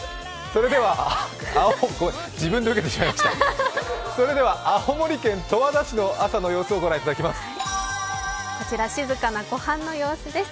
それでは青森県十和田市の朝の様子、ご覧いただきます。